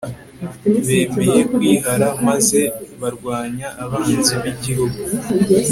bemeye kwihara maze barwanya abanzi b'igihugu